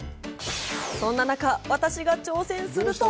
そんな中、私が挑戦すると。